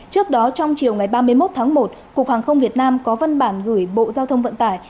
trước đó trong chiều ngày ba mươi một tháng một cục hàng không việt nam có văn bản gửi bộ giao thông vận tải